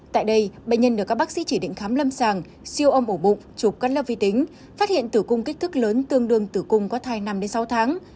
tại đây bệnh nhân được các bác sĩ chỉ định khám lâm sàng siêu âm ổ bụng chụp cắt lớp vi tính phát hiện tử cung kích thước lớn tương đương tử cung có thai năm đến sáu tháng